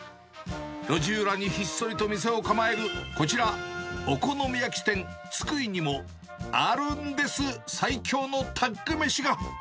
路地裏にひっそりと店を構えるこちら、お好み焼き店、津久井にもあるんです、最強のタッグ飯が。